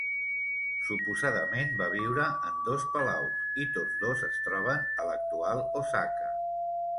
Suposadament va viure en dos palaus, i tots dos es troben a l'actual Osaka.